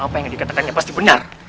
apa yang dikatakannya pasti benar